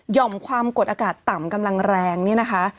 ่อมความกดอากาศต่ำกำลังแรงเนี่ยนะคะ